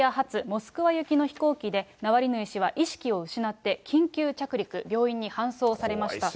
モスクワ行きの飛行機で、ナワリヌイ氏は意識を失って、緊急着陸、病院に搬送されました。